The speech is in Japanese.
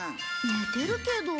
寝てるけど？